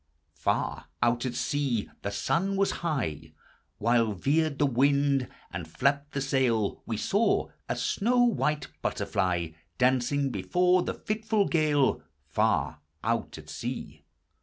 Far out at sea — the sun was high, "While veered the wind, and flapped the sail We saw. a snow white butterfly Dancing before the fitful gale, Far out at sea